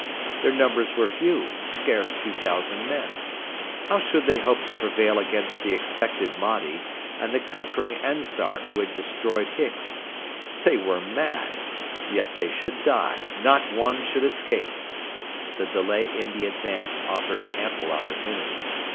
Their numbers were few, scarce 2,000 men. How should they hope to prevail against 'the expected Mahdi' and the conquering Ansar who had destroyed Hicks? They were mad; yet they should die; not one should escape. The delay in the advance offered ample opportunity.